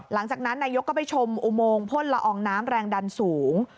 หลังจากนั้นนายยกก็ไปชมอุโมงพ่นละอองน้ำแรงดันสูง